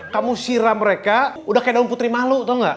kamu siram mereka udah kayak daun putri malu atau enggak